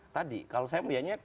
tadi kalau saya melihatnya